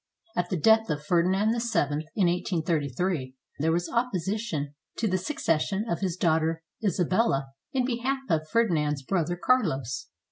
At the death of Ferdinand VII, in 1833, there was opposi tion to the succession of his daughter Isabella, in behalf of Ferdinand's brother Carlos.